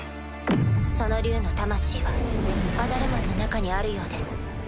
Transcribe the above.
その竜の魂はアダルマンの中にあるようです。